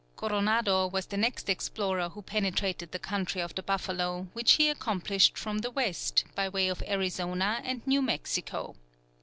Coronado was the next explorer who penetrated the country of the buffalo, which he accomplished from the west, by way of Arizona and New Mexico.